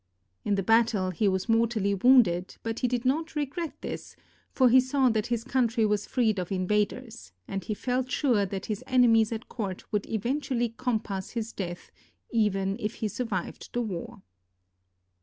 In the battle he was mortally wounded, but he did not regret this, for he saw that his country was freed of invaders, and he felt sure that his enemies at court would eventually compass his death even if he survived the war.